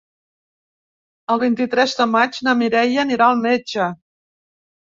El vint-i-tres de maig na Mireia anirà al metge.